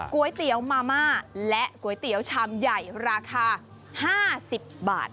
ก๋วยเตี๋ยวมาม่าและก๋วยเตี๋ยวชามใหญ่ราคา๕๐บาท